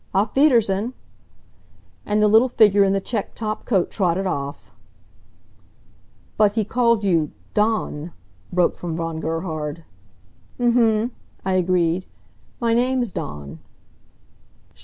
Auf wiedersehen!" And the little figure in the checked top coat trotted off. "But he called you Dawn," broke from Von Gerhard. "Mhum," I agreed. "My name's Dawn."